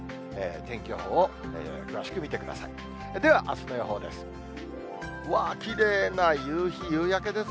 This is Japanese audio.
天気予報を詳しく見てください。ではあすの予報です。